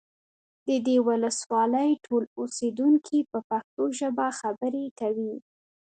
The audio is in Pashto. د دې ولسوالۍ ټول اوسیدونکي په پښتو ژبه خبرې کوي